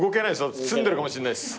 私詰んでるかもしれないです。